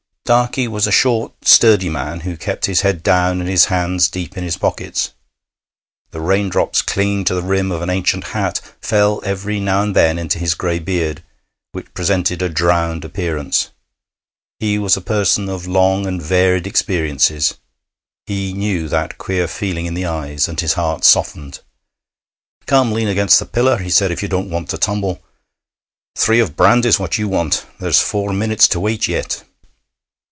Darkey was a short, sturdy man, who kept his head down and his hands deep in his pockets. The raindrops clinging to the rim of an ancient hat fell every now and then into his gray beard, which presented a drowned appearance. He was a person of long and varied experiences; he knew that queer feeling in the eyes, and his heart softened. 'Come, lean against the pillar,' he said, 'if you don't want to tumble. Three of brandy's what you want. There's four minutes to wait yet.'